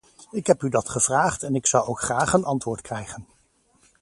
Ik heb u dat gevraagd en ik zou ook graag een antwoord krijgen.